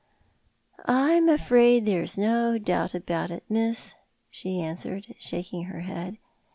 "I'm afraid there's no doubt about it, miss," she answered, shaking her head.